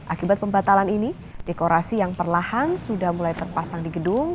akibat pembatalan ini dekorasi yang perlahan sudah mulai terpasang di gedung